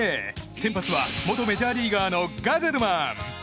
先発は元メジャーリーガーのガゼルマン。